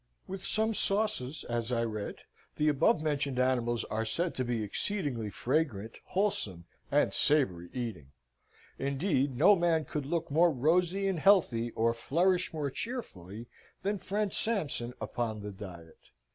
With some sauces, as I read, the above mentioned animals are said to be exceedingly fragrant, wholesome, and savoury eating. Indeed, no man could look more rosy and healthy, or flourish more cheerfully, than friend Sampson upon the diet.